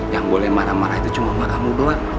yang boleh marah marah itu cuma marahmu doang